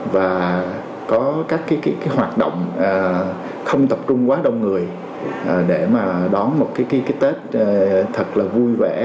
và có các cái hoạt động không tập trung quá đông người để mà đón một cái tết thật là vui vẻ